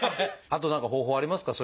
あと何か方法はありますか？